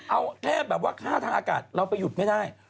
เอาแค่แบบว่าค่าทางอากาศเราไปหยุดไม่ได้